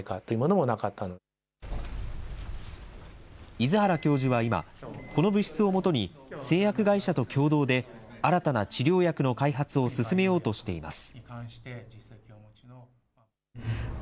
出原教授は今、この物質をもとに製薬会社と共同で、新たな治療薬の開発を進めようとしています。